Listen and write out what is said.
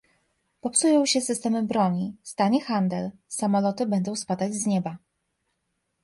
Popsują się systemy broni, stanie handel, samoloty będą spadać z nieba